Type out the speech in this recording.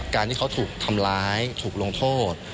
การที่เขาถูกทำร้ายถูกลงโทษ